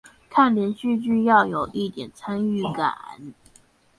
看連續劇要有一點參與感